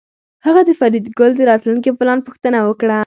هغه د فریدګل د راتلونکي پلان پوښتنه وکړه